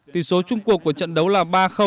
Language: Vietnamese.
tỷ số chung cuộc của trận đấu là ba